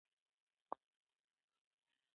د احمد ډېر پور راباندې وو خو په یوه پسه يې غاړه وېسته.